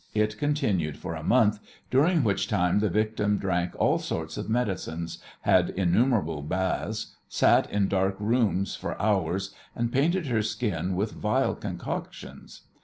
It continued for a month, during which time the victim drank all sorts of medicines, had innumerable baths, sat in dark rooms for hours, and painted her skin with vile concoctions.